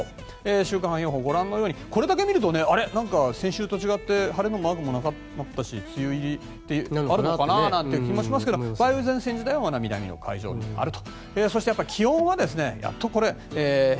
週間予報はご覧のようにこれだけ見るとあれ、先週と違って晴れのマークもなくなったし梅雨入りあるのかなという気がしますけれど梅雨前線自体はまだ南の海上にあると。